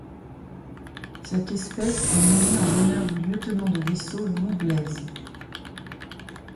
Cette espèce est nommée en l'honneur du Lieutenant de vaisseau Louis Blaise.